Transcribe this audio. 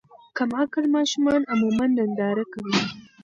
کم عقل ماشومان عموماً ننداره کوي.